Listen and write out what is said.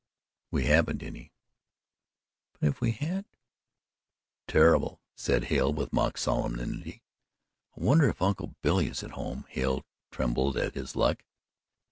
"We haven't any." "But if we had!" "Terrible!" said Hale with mock solemnity. "I wonder if Uncle Billy is at home," Hale trembled at his luck.